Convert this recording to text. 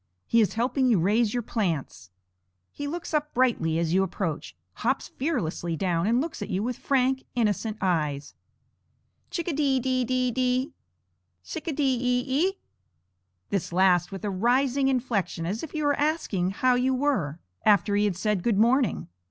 He is helping you raise your plants. He looks up brightly as you approach, hops fearlessly down and looks at you with frank, innocent eyes. Chick a dee dee dee dee! Tsic a de e e? this last with a rising inflection, as if he were asking how you were, after he had said good morning.